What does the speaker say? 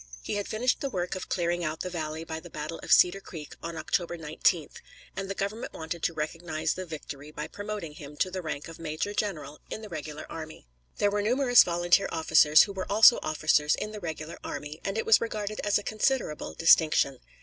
He had finished the work of clearing out the valley by the battle of Cedar Creek on October 19th, and the Government wanted to recognize the victory by promoting him to the rank of major general in the regular army. There were numerous volunteer officers who were also officers in the regular army, and it was regarded as a considerable distinction.